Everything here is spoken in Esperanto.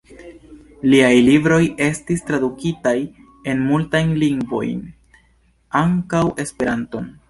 Liaj libroj estis tradukitaj en multajn lingvojn, ankaŭ Esperanton.